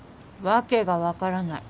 訳が分からない。